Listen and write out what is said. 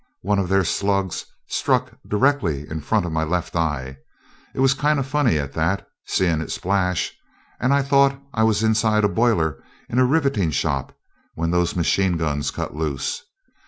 One of their slugs struck directly in front of my left eye it was kinda funny, at that, seeing it splash and I thought I was inside a boiler in a riveting shop when those machine guns cut loose.